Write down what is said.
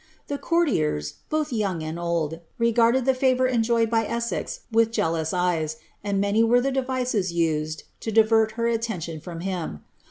The courtiers, both old and young, recrarded the favour enjoved by Essex with jealous eyes, and many were the devices used to divert hw attention from him.